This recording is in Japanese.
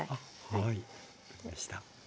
はい分かりました。